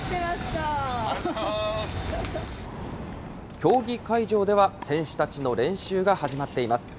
競技会場では選手たちの練習が始まっています。